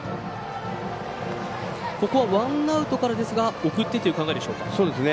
ここはワンアウトからですが送ってという考えですか。